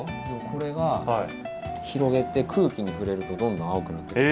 これが広げて空気に触れるとどんどん青くなってくる。